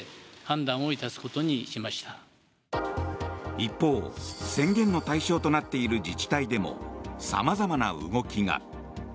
一方、宣言の対象となっている自治体でも様々な動きが。